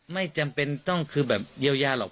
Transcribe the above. ไม่จำเป็นต้องคือแบบเยียวยาหรอก